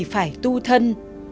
phải tu thân